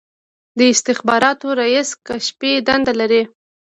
د استخباراتو رییس کشفي دنده لري